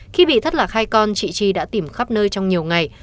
khi bị thất lạc hai con chị chi đã tìm khắp nơi trong nhiều ngày